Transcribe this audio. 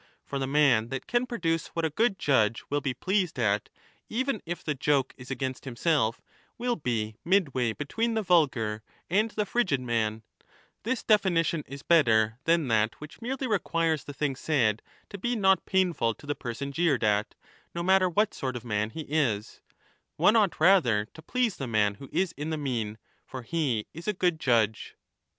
For the man that can ^ produce what a good judge will be pleased at, even if the joke is against himself, will be midway between the vulgar and the frigid man ; this definition is better than 20 that which merely requires the thing said to be not painful to the person jeered at, no matter what sort of man he is ; one ought rather to please the man who is in the mean, for he is a good judge.